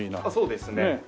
あっそうですね。